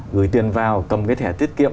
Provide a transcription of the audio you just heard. gửi tiền vào cầm cái thẻ tiết kiệm